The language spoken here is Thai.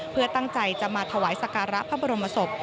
เพื่อตั้งใจจะมาถวายสการะพระบรมศพ